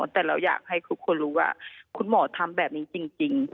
แต่เราอยากให้ทุกคนรู้ว่าคุณหมอทำแบบนี้จริง